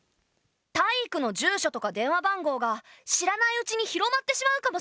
タイイクの住所とか電話番号が知らないうちに広まってしまうかもしれない。